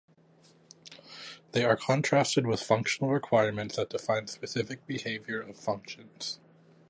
They are contrasted with functional requirements that define specific behavior or functions.